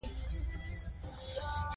هغې بیا د کیمیا نوبل جایزه وګټله.